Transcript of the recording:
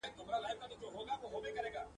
په سلګونو یې لرلې له کوترو !.